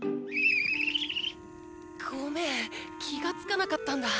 ごめん気が付かなかったんだ。